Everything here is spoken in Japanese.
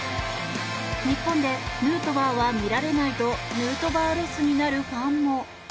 日本でヌートバーは見られないとヌートバーロスになるファンも。